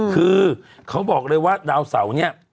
คือเขาบอกเลยว่าดาวเสาเนี่ย